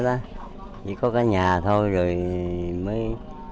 chỉ có cái nhà thôi rồi mới